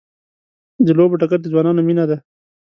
د لوبو ډګر د ځوانانو مینه ده.